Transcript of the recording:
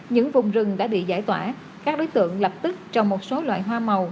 những vùng rừng đã bị giải tỏa các đối tượng lập tức trồng một số loại hoa màu